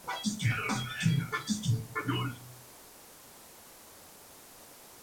El estadio tiene todos los requisitos para jugar tanto partidos internacionales como nacionales.